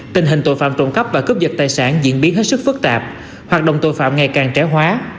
tình hình tội phạm trộm cắp và cướp dật tài sản diễn biến hết sức phức tạp hoạt động tội phạm ngày càng trẻ hóa